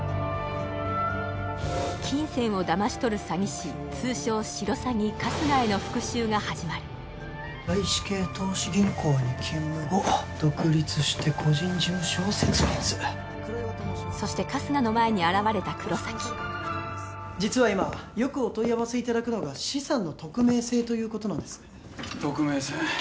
金銭をだまし取る詐欺師通称シロサギ春日への外資系投資銀行に勤務後独立して個人事務所を設立そして春日の前に現れた黒崎実は今よくお問い合わせいただくのが資産の匿名性ということなんです匿名性？